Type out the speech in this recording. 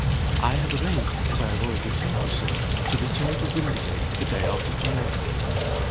"I have arranged (as I have already told you, Sir) to return to Windygates the day after to morrow."